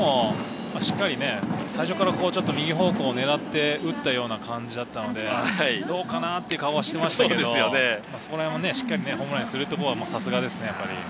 最初から右方向を狙って打ったような感じだったので、どうかなという顔はしていましたが、しっかりホームランにするところはさすがですね。